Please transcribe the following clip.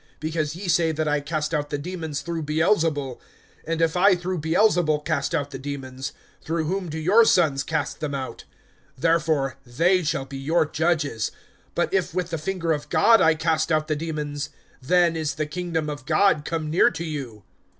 because ye say that I cast out the demons through Beelzebul. (19)And if I through Beelzebul cast out the demons, through whom do your sons cast them out? Therefore they shall be your judges. (20)But if with the finger of God I cast out the demons, then is the kingdom of God come near to you.